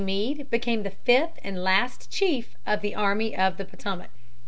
Meade became the fifth and last chief of the Army of the Potomac.